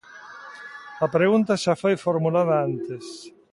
A pregunta xa foi formulada antes.